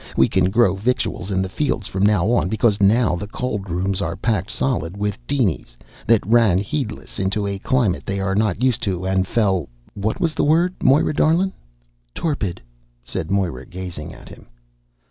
We can grow victuals in the fields from now on, because now the cold rooms are packed solid with dinies that ran heedless into a climate they are not used to an' fell what was the word, Moira darlin'?" "Torpid," said Moira, gazing at him.